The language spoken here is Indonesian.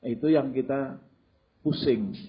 itu yang kita pusing